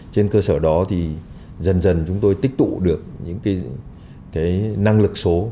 trên cơ sở đó thì dần dần chúng tôi tích tụ được những năng lực số